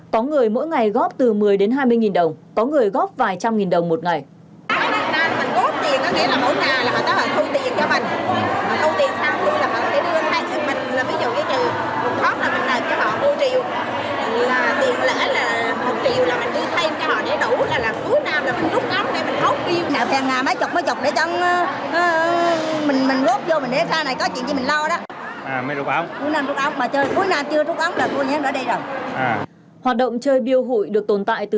có người mỗi ngày góp từ một mươi hai mươi đồng có người góp vài trăm nghìn đồng một ngày